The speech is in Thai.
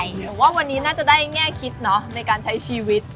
แต่ว่าวันนี้น่าจะได้แง่คิดเนาะในการใช้ชีวิต